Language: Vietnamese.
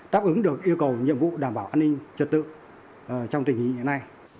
đáp ứng được yêu cầu nhiệm vụ đảm bảo an ninh trật tự trong tình hình hiện nay